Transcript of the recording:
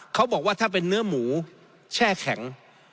เขาบอกว่าถ้าเป็นเนื้อหมูแช่แข็ง